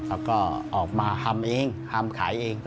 เขาก็ออกมาทำเองทำขายเอง